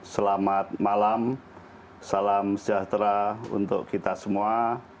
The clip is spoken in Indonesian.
selamat malam salam sejahtera untuk kita semua